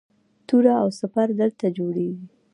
توره او سپر دلته جوړیدل